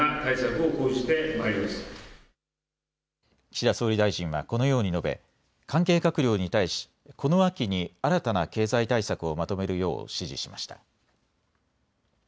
岸田総理大臣はこのように述べ関係閣僚に対し、この秋に新たな経済対策をまとめるよう指示しました。